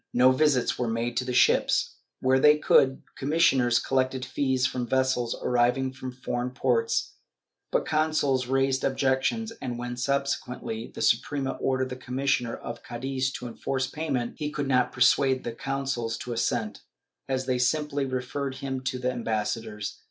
No visits were made to the ships. Where they could, commis sioners collected fees from vessels arriving from foreign ports, but consuls raised objections and, when subsequently the Suprema ordered the commissioner of Cadiz to enforce payment, he could not persuade the consuls to assent, as they simply referred him to their ambassadors.